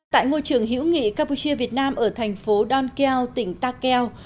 tại ngôi trường hữu nghị campuchia việt nam ở thành phố don keo tỉnh ta keo